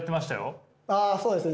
あそうですね